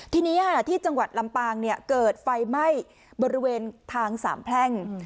ทีนี้ที่จังหวัดลำปางเกิดไฟไหม้บริเวณทางสามแพร่ง